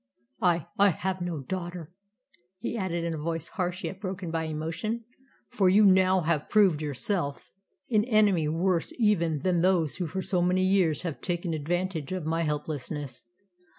I I have no daughter," he added in a voice harsh yet broken by emotion, "for you have now proved yourself an enemy worse even than those who for so many years have taken advantage of my helplessness."